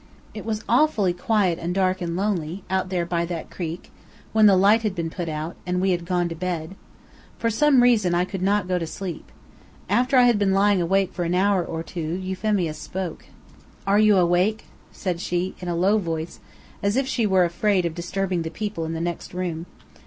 It was awfully quiet and dark and lonely, out there by that creek, when the light had been put out, and we had gone to bed. For some reason I could not go to sleep. After I had been lying awake for an hour or two, Euphemia spoke: "Are you awake?" said she, in a low voice, as if she were afraid of disturbing the people in the next room.